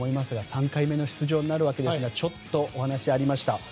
３回目の出場になるわけですがちょっとお話がありました。